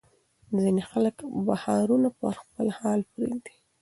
ځینې خلک بخارونه پر خپل حال پرېږدي.